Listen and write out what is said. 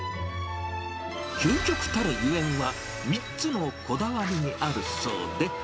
究極たるゆえんは、３つのこだわりにあるそうで。